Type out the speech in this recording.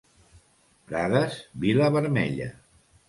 Prades, vila vermella.